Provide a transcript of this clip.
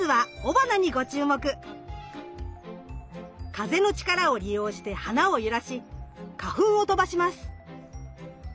風の力を利用して花を揺らし花粉を飛ばします。